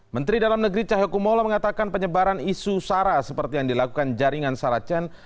menteri dalam negeri cahyokumolo mengatakan penyebaran isu sara seperti yang dilakukan jaringan saracen